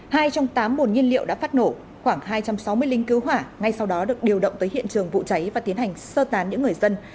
hai trong tám bồn nhiên liệu đã phát nổ khoảng hai trăm sáu mươi lính cứu hỏa ngay sau đó được điều động tới hiện trường vụ cháy và tiến hành sơ tán những người dân